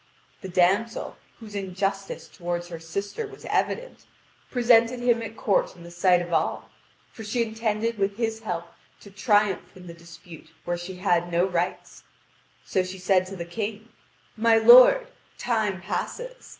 The damsel, whose injustice toward her sister was evident, presented him at court in the sight of all, for she intended with his help to triumph in the dispute where she had no rights. So she said to the King: "My lord, time passes.